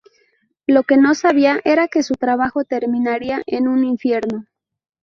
Lo que no sabía era que su trabajo terminaría en un infierno.